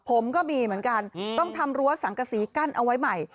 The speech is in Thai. ผมก็มีเหมือนกันต้องทำรั้วสังกษีกั้นเอาไว้ใหม่